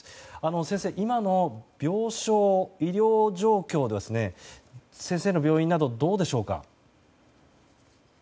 先生、今の病床・医療状況は先生の病院などどうでしょうか。